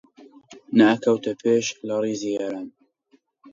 نەئەکەوتە پێش لە ڕیزی یاران